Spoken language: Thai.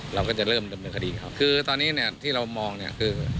เราก็จะเริ่มเดิมเรื่องคดีกับเค้าคือตอนนี้เนี่ยที่เรามองเนี่ยคือ